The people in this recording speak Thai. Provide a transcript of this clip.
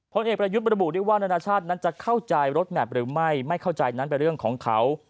เอกประยุทธ์บระบุได้ว่านานาชาตินั้นจะเข้าใจรถแมพหรือไม่ไม่เข้าใจนั้นเป็นเรื่องของเขา